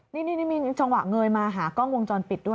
นี่มีจังหวะเงยมาหากล้องวงจรปิดด้วย